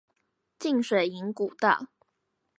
浸水營古道